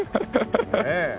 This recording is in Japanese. ねえ。